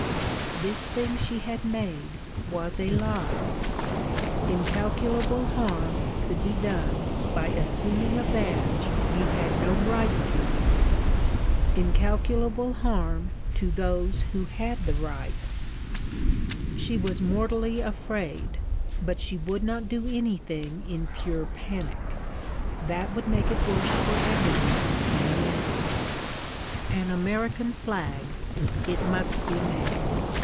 This thing she had made was a lie. Incalculable harm could be done by assuming a badge you had no right to incalculable harm to those who had the right. She was mortally afraid; but she would not do anything in pure panic. That would make it worse for every one in the end. An American flag: it must be made.